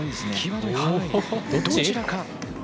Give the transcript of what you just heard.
どちらか。